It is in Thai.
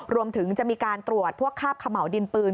รวมถึงจะมีการตรวจพวกคาบขม่าวดินปืน